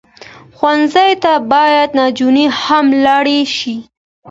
ښوونځی ته باید نجونې هم لاړې شي